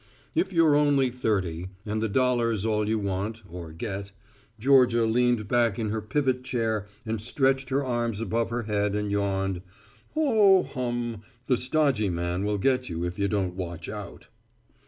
If you're only thirty, and the dollar's all you want, or get Georgia leaned back in her pivot chair and stretched her arms above her head and yawned, ho ho hum, the stodgy man will get you if you don't watch out.